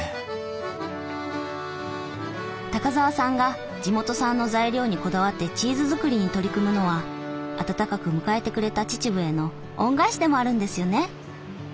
高沢さんが地元産の材料にこだわってチーズ作りに取り組むのは温かく迎えてくれた秩父への恩返しでもあるんですよね。